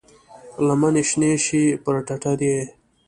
لمنې شنې شي پر ټټر یې،